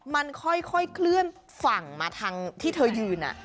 มันค่อยเคลื่อนฝั่งมาทางที่เธอยืน